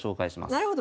なるほど。